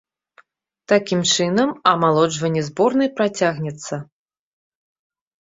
Такім чынам, амалоджванне зборнай працягнецца.